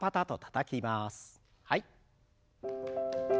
はい。